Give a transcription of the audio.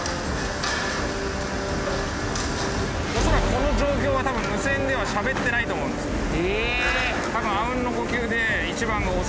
恐らくこの状況は多分無線ではしゃべってないと思うんですね。